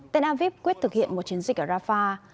tena vip quyết thực hiện một chiến dịch ở rafah